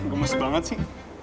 gemas banget sih